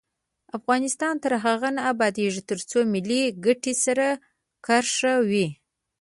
افغانستان تر هغو نه ابادیږي، ترڅو ملي ګټې سر کرښه وي.